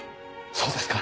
そうですか？